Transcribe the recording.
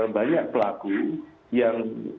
banyak pelaku yang